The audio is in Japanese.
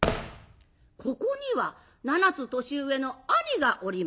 ここには７つ年上の兄がおりました。